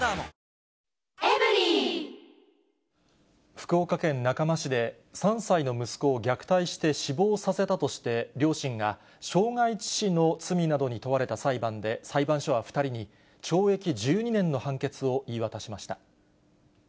福岡県中間市で、３歳の息子を虐待して死亡させたとして、両親が傷害致死の罪などに問われた裁判で、裁判所は２人に、懲役１２年の判決を言い渡しました。